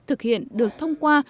thực hiện được thông qua